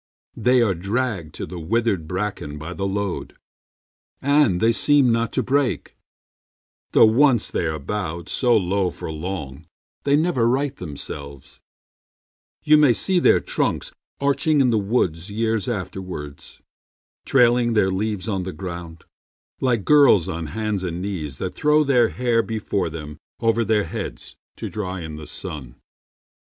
They are dragged to the withered bracken by the load, And they seem not to break; though once they are bowed So low for long, they never right themselves: You may see their trunks arching in the woods Years afterwards, trailing their leaves on the ground Like girls on hands and knees that throw their hair Before them over their heads to dry in the sun.